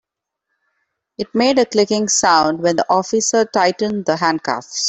It made a clicking sound when the officer tightened the handcuffs.